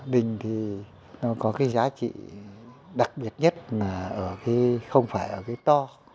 đình thì nó có cái giá trị đặc biệt nhất là ở không phải ở cái to